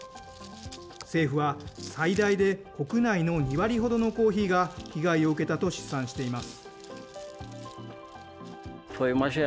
政府は最大で国内の２割ほどのコーヒーが被害を受けたと試算しています。